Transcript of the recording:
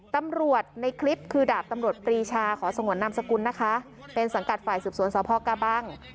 ตำรวจในคลิปคือดาบตำรวจปรีชาขอสงวนนามสกุลนะคะเป็นสังกัดฝ่ายสืบสวนสพกระบัง